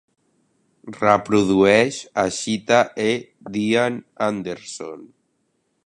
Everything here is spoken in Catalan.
Reprodueix Ashita E d'Ian Anderson